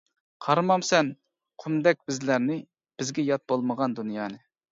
قارىمامسەن قۇمدەك بىزلەرنى، بىزگە يات بولمىغان دۇنيانى.